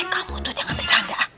kamu tuh jangan bercanda